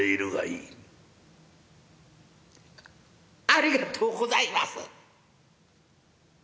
「ありがとうございます」。